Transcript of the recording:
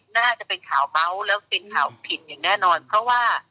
น่าจะเป็นข่าวเมาส์แล้วเป็นข่าวผิดอย่างแน่นอนเพราะว่า